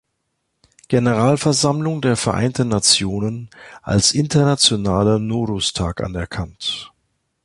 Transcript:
Generalversammlung der Vereinten Nationen als internationaler Nouruz-Tag anerkannt.